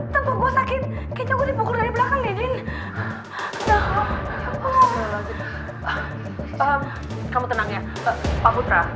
tempat gue sakit kayaknya gue dipukul dari belakang deh din kamu tenang ya pak putra